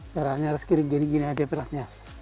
caranya harus kiri gini gini aja perahnya